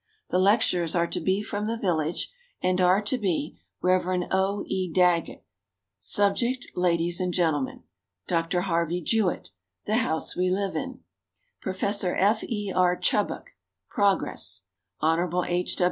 The lecturers are to be from the village and are to be: Rev. O. E. Daggett, subject, "Ladies and Gentlemen"; Dr. Harvey Jewett, "The House We Live In"; Prof. F. E. R. Chubbuck, "Progress"; Hon. H.